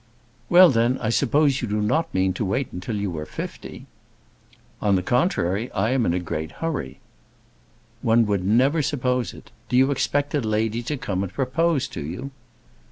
"Well, then, I suppose you do not mean to wait till you are fifty." "On the contrary, I am in a great hurry." "One would never suppose it. Do you expect a lady to come and propose to you?"